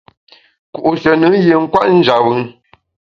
Ku’she nùn yin kwet njap bùn.